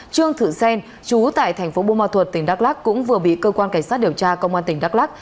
trương thự xen chú tại tp bumathuot tỉnh đắk lắc cũng vừa bị cơ quan cảnh sát điều tra công an tỉnh đắk lắc